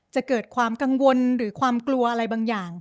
จะเกิดความกังวลหรือความกลัวอะไรบางอย่าง